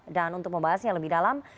dan untuk membahasnya lebih dalam